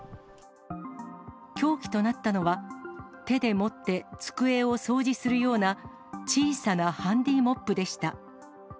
凶器となったのは、手で持って机を掃除するような小さなハンディモップでした。